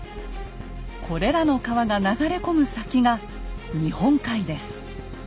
これらの川が流れ込む先が日本海です。